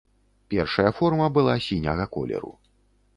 Першая форма была сіняга колеру.